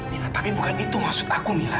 mila tapi bukan itu maksud aku mila